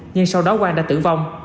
nhưng sau đó quang đã tử vong